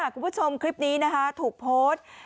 คุณผู้ชมคลิปนี้นะคะถูกโพสต์